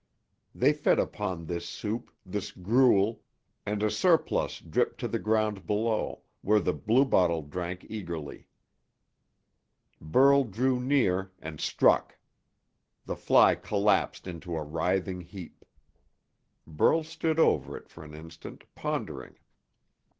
They fed upon this soup, this gruel, and a surplus dripped to the ground below, where the bluebottle drank eagerly. Burl drew near, and struck. The fly collapsed into a writhing heap. Burl stood over it for an instant, pondering.